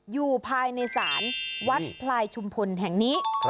อยู่ภายในศาลวัดพลายชุมพลแห่งนี้